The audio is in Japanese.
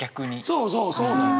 そうそうそうなの。